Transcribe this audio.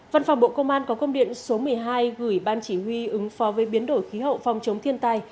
văn phòng bộ công an có công điện số một mươi hai gửi ban chỉ huy ứng phó với biến đổi khí hậu phòng chống thiên tai